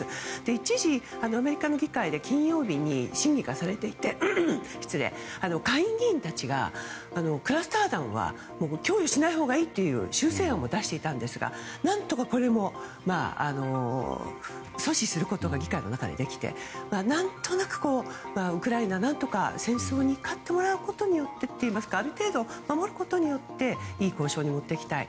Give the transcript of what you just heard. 一時、アメリカの議会で金曜日に審議がされていて下院議員たちが、クラスター弾は供与しないほうがいいという修正案を出していたんですが何とか、これも阻止することが議会の中でできて何となく、ウクライナ何とか戦争に勝ってもらうことによってといいますかある程度守ることによっていい交渉に持っていきたい。